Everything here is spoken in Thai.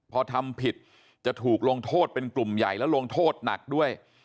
พอทำผิดจะถูกลงโทษเป็นกลุ่มใหญ่และลงโทษหนักด้วย